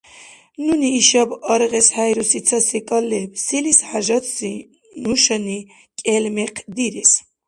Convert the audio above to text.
Нуни ишаб аргъес хӀейруси ца секӀал леб: селис хӀяжатси нушани кӀел мекъ дирес?